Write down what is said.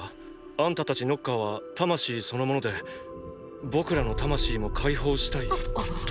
あんたたちノッカーは魂そのもので僕らの魂も解放したいと？